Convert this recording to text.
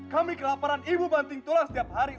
kami kelaparan ibu banting tulang setiap hari